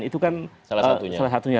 itu kan salah satunya